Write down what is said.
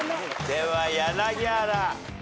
では柳原。